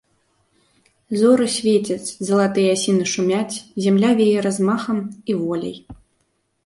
Зоры свецяць, залатыя асіны шумяць, зямля вее размахам і воляй.